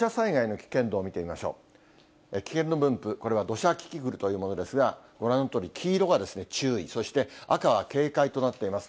危険度分布、これは土砂キキクルというものですが、ご覧のとおり、黄色が注意、そして赤は警戒となっています。